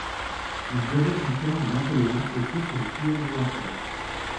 Il devait son prénom de Napoléon au titre de filleul de l'Empereur.